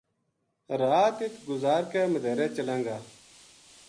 رات اِت گزار کے مدیہرے چلاں گا ‘‘